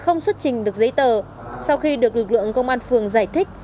không xuất trình được giấy tờ sau khi được lực lượng công an phường giải thích